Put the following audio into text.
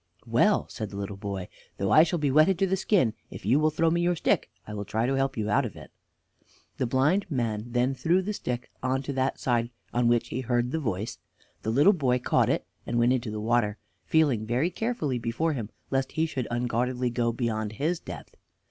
"Well," said the little boy, "though I shall be wetted to the skin, if you will throw me your stick, I will try to help you out of it." The blind man then threw the stick on to that side on which he heard the voice; the little boy caught it, and went into the water, feeling very carefully before him, lest he should unguardedly go beyond his depth.